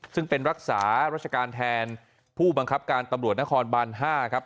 ซึ่งเป็นรักษารัชการแทนผู้บังคับการตำรวจนครบาน๕ครับ